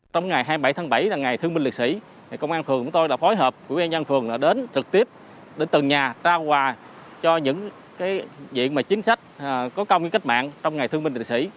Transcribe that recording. trong ngày hai mươi bảy tháng bảy là ngày thương minh liệt sĩ công an phường của tôi đã phối hợp quỹ ban nhân phường đến trực tiếp đến từng nhà trao quà cho những diện chính sách có công với cách mạng trong ngày thương minh lịch sĩ